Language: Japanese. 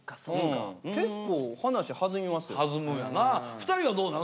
２人はどうなの？